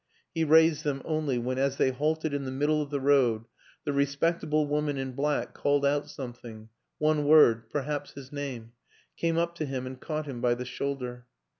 He raised them only when, as they halted in the middle of the road, the respectable woman in black called out something one word, perhaps his name came up to him and caught him by the shoulder.